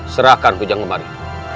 serahkan hujan kembar itu